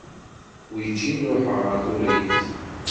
Weǧin ruḥeɣ ɣer Tuṛuft.